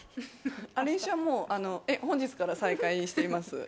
練習はもう本日から再開しています。